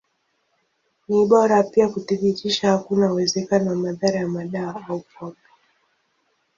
Ni bora pia kuthibitisha hakuna uwezekano wa madhara ya madawa au pombe.